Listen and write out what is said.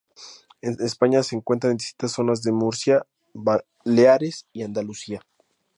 En España se encuentra en distintas zonas de Murcia, Baleares y Andalucía.